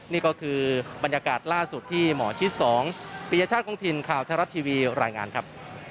นี่ก็คือบรรยากาศล่าสุดที่หมอชิด๒ปียชาติคงถิ่นข่าวไทยรัฐทีวีรายงานครับ